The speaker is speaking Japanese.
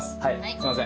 すいません。